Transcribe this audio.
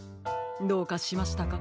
どうかしましたか？